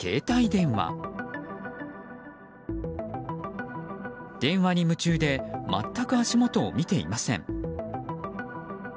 電話に夢中で全く足元を見ていません。